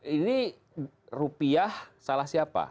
ini rupiah salah siapa